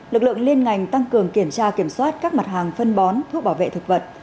lực lượng liên ngành tăng cường kiểm tra kiểm soát các mặt hàng phân bón thuốc bảo vệ thực vật